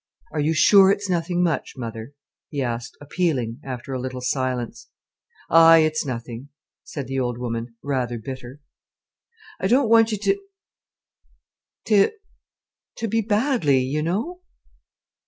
"Are you sure it's nothing much, mother?" he asked, appealing, after a little silence. "Ay, it's nothing," said the old woman, rather bitter. "I don't want you to—to—to be badly—you know."